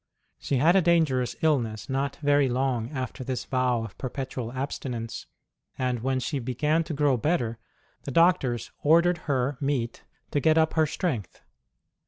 She had a dangerous illness not very long after this vow of perpetual abstinence ; and when she began to grow better the doctors ordered her meat to get up her strength.